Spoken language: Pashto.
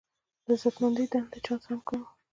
د عزتمندې دندې چانس هم کم و.